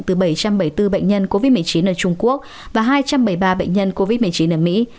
từ bảy trăm bảy mươi bốn bệnh nhân covid một mươi chín ở trung quốc và hai trăm bảy mươi ba bệnh nhân covid một mươi chín ở mỹ